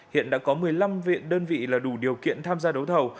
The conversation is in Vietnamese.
hiện đã có một mươi năm viện đơn vị là đủ điều kiện tham gia đấu thầu